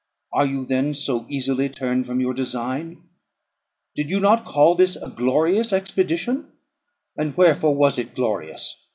Are you then so easily turned from your design? Did you not call this a glorious expedition? And wherefore was it glorious?